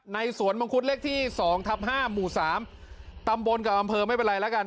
ในสวนมงคุธเล็กที่สองทับห้าหมู่สามตำบนกับอำเภอไม่เป็นไรแล้วกัน